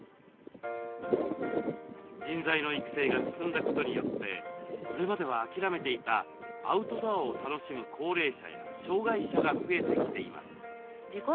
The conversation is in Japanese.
人材の育成が進んだことによってこれまでは諦めていたアウトドアを楽しむ高齢者や障害者が増えてきています。